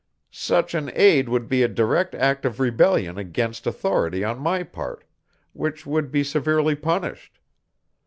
"Such an aid would be a direct act of rebellion against authority on my part, which would be severely punished.